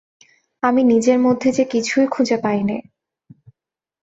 আমি নিজের মধ্যে যে কিছুই খুঁজে পাই নে।